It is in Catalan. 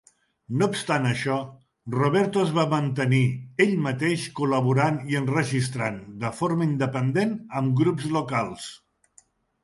No obstant això, Roberto es va mantenir ell mateix col·laborant i enregistrant de forma independent amb grups locals.